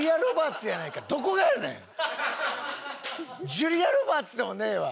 ジュリア・ロバーツでもねえわ！